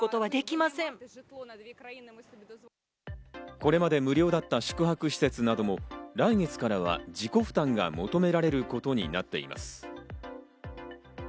これまで無料だった宿泊施設なども、来月からは自己負担が求められることになっています。